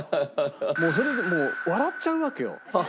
もうそれで笑っちゃうわけよ。